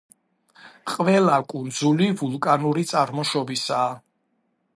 ყველა კუნძული ვულკანური წარმოშობისაა.